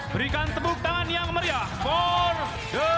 berikan tepuk tangan yang meriah for the scene crew